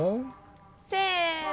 せの！